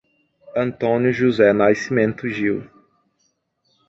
Antônio José Nascimento Gil